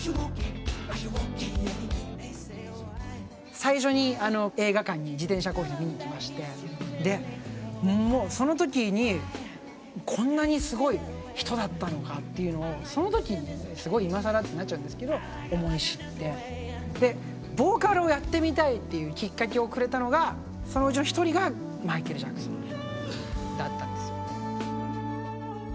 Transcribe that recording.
最初に映画館に自転車こいで見に行きましてでもうその時にこんなにすごい人だったのかっていうのをその時にすごい今更ってなっちゃうんですけど思い知ってボーカルをやってみたいっていうきっかけをくれたのがそのうちの一人がマイケル・ジャクソンだったんですよ。